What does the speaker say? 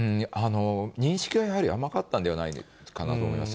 認識はやはり甘かったんじゃないかと思います。